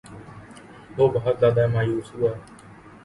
وہ بہت زیادہ مایوس ہوا